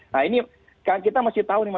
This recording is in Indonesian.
nah ini kan kita masih tahu nih mas